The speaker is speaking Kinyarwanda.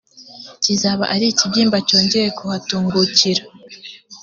kizaba ari ikibyimba cyongeye kuhatungukira